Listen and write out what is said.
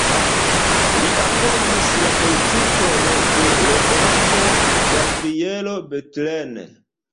Li apogis la politikon de reganto Gabrielo Bethlen.